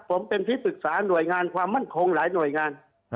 ผมเป็นที่ปรึกษาหน่วยงานความมั่นคงหลายหน่วยงาน